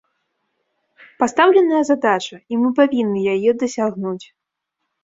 Пастаўленая задача, і мы павінны яе дасягнуць.